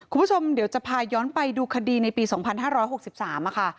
คุณผู้ชมเดี๋ยวจะพาย้อนไปดูคดีในปี๒๕๖๓ค่ะ